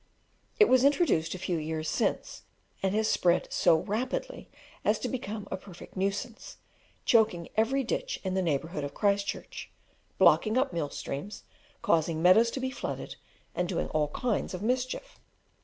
It was introduced a few years since, and has spread so rapidly as to become a perfect nuisance, choking every ditch in the neighbourhood of Christchurch, blocking up mill streams, causing meadows to be flooded, and doing all kinds of mischief.